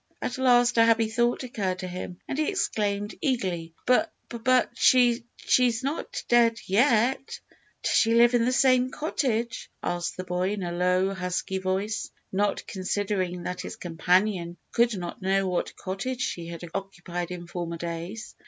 At last a happy thought occurred to him, and he exclaimed eagerly "B but sh she's not dead yet!" "Does she live in the same cottage?" asked the boy, in a low, husky voice, not considering that his companion could not know what cottage she had occupied in former days.